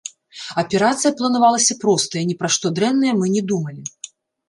Аперацыя планавалася простая, ні пра што дрэннае мы не думалі.